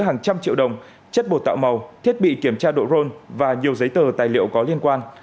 hàng trăm triệu đồng chất bồ tạo màu thiết bị kiểm tra độ rôn và nhiều giấy tờ tài liệu có liên quan